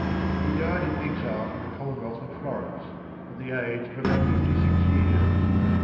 He died in exile from the Commonwealth of Florence, at the age of about fifty six years.